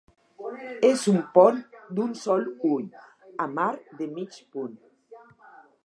És un pont d'un sol ull, amb arc de mig punt.